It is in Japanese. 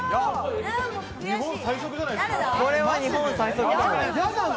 これは日本最速かも。